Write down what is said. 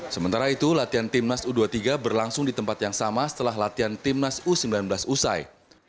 sementara itu latihan timnas u dua puluh tiga berlangsung di tempat yang sama setelah latihan timnas u sembilan belas usai